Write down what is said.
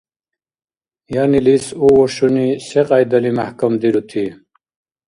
Янилис овощуни секьяйдали мяхӀкамдирути?